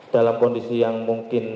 dalam kondisi yang mungkin